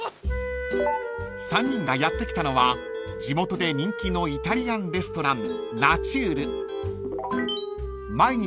［３人がやって来たのは地元で人気のイタリアンレストラン］